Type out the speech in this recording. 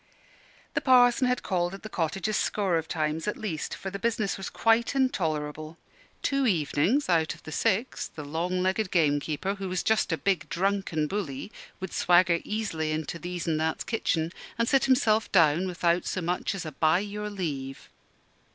The Parson had called at the cottage a score of times at least: for the business was quite intolerable. Two evenings out of the six, the long legged gamekeeper, who was just a big, drunken bully, would swagger easily into These an' That's kitchen and sit himself down without so much as "by your leave."